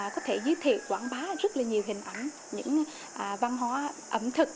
có thể giới thiệu quảng bá rất là nhiều hình ảnh những văn hóa ẩm thực